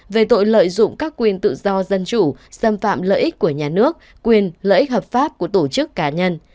về tội lợi dụng các quyền tự do dân chủ xâm phạm lợi ích của nhà nước quyền lợi ích hợp pháp của tổ chức cá nhân